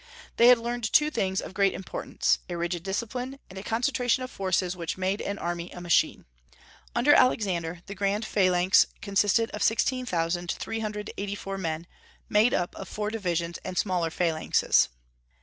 They had learned two things of great importance, a rigid discipline, and a concentration of forces which made an army a machine. Under Alexander, the grand phalanx consisted of 16,384 men, made up of four divisions and smaller phalanxes.